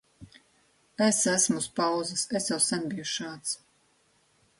Es esmu uz pauzes. Es jau sen biju šāds.